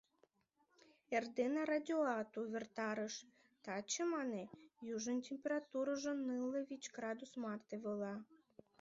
Эрдене радиоат увертарыш: «Таче, — мане, — южын температурыжо нылле вич градус марте вола».